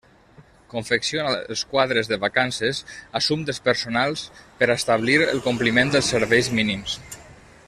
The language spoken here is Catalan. Confecciona els quadres de vacances, assumptes personals per a establir el compliment de serveis mínims.